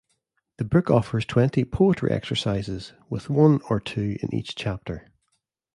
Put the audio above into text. The book offers twenty 'Poetry Exercises', with one or two in each chapter.